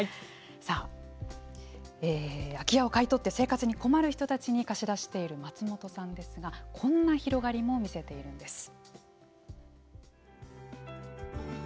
さあ、空き家を買い取って生活に困る人に貸し出している松本さんですがこんな広がりも見せているんです。